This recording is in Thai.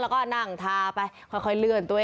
แล้วก็นั่งทาไปค่อยเลื่อนตัวเอง